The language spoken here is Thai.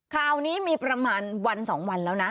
คราวนี้มีประมาณวัน๒วันแล้วนะ